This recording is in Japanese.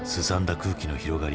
空気の広がり。